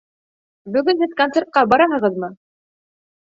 Бөгөн һеҙ концертҡа бараһығыҙмы?